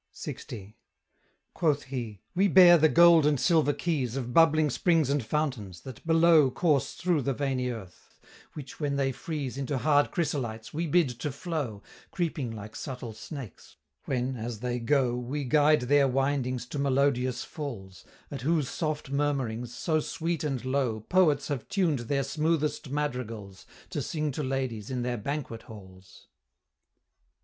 LX. Quoth he, "We bear the gold and silver keys Of bubbling springs and fountains, that below Course thro' the veiny earth, which when they freeze Into hard crysolites, we bid to flow, Creeping like subtle snakes, when, as they go, We guide their windings to melodious falls, At whose soft murmurings, so sweet and low, Poets have tuned their smoothest madrigals, To sing to ladies in their banquet halls."